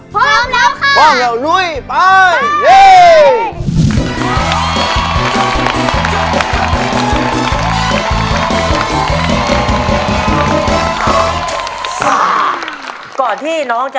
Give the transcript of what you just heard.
พร้อมแล้วค่ะ